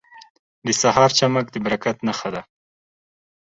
• د سهار چمک د برکت نښه ده.